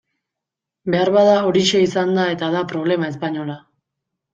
Beharbada horixe izan da eta da problema espainola.